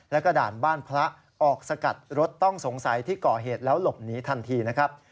แล้วก็ด่านบ้านพระออกสกัดรถต้องสงสัยที่ก่อเหตุแล้วหลบหนีทันทีนะครับ